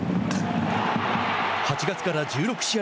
８月から１６試合